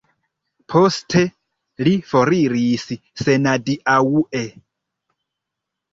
Poste li foriris senadiaŭe.